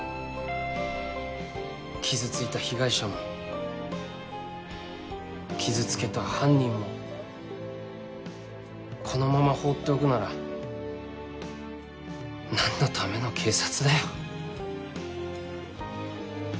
傷ついた被害者も傷つけた犯人もこのまま放っておくなら何のための警察だよ。